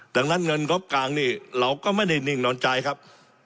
ดังนั้นเงินงบกลางนี่เราก็ไม่ได้นิ่งนอนใจครับ